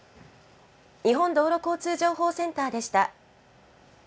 日本道路交通情報センターでした。